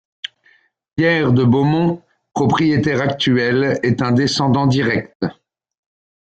Pierre de Beaumont, propriétaire actuel, est un descendant direct.